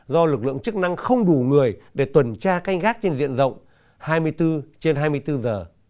do lực lượng chức năng không đủ người để tuần tra canh gác trên diện rộng hai mươi bốn trên hai mươi bốn giờ